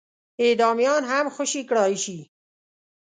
اعدامیان هم خوشي کړای شي.